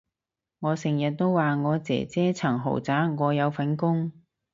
我成日都話我姐姐層豪宅我有份供